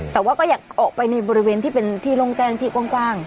แต่ว่าก็อย่าขอกล่อไปในบริเวณที่ลงแจ้งที่กว้าง